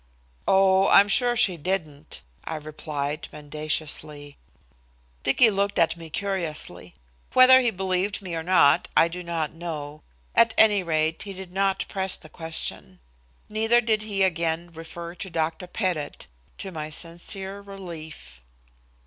"Oh, I'm sure she didn't," I replied mendaciously. Dicky looked at me curiously. Whether he believed me or not I do not know. At any rate, he did not press the question. Neither did he again refer to Dr. Pettit, to my sincere relief.